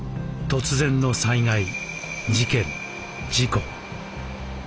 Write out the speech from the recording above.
突然の災害事件事故。